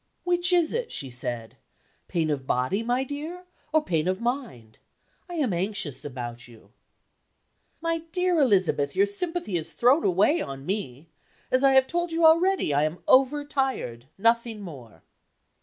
"Which is it?" she said. "Pain of body, my dear, or pain of mind? I am anxious about you." "My dear Elizabeth, your sympathy is thrown away on me. As I have told you already, I am over tired nothing more."